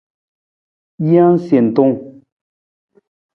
Jee sentunung.